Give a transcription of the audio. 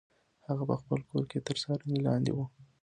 هغه په خپل کور کې تر څارنې لاندې و.